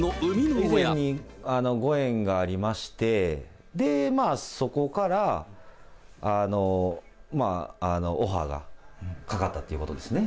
以前にご縁がありまして、で、そこから、オファーがかかったということですね。